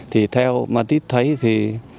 thì theo mà tít thấy thì